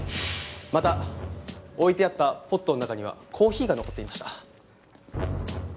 また置いてあったポットの中にはコーヒーが残っていました。